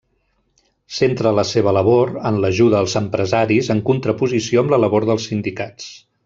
Centra la seva labor en l'ajuda als empresaris en contraposició amb la labor dels sindicats.